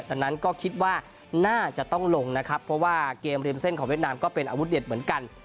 ดังนั้นก็คิดว่าน่าจะต้องลงนะครับเพราะว่าเกมริมเส้นของเวียดนามก็เป็นอาวุธเด็ดเหมือนกัน